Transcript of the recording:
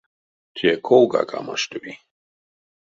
Те ковгак а маштови.